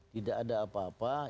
tidak ada apa apa